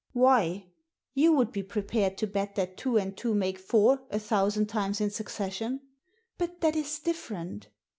Why ? You would be prepared to bet that two and two make four a thousand times in succession." "But that is different."